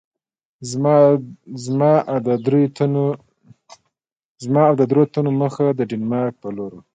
زما او د دریو تنو مخه د ډنمارک په لور وه.